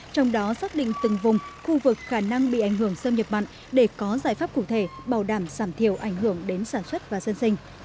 trong đó xác định từng vùng khu vực khả năng bị ảnh hưởng sâm nhập mặn để có giải pháp cụ thể bảo đảm giảm thiểu ảnh hưởng đến sản xuất và dân sinh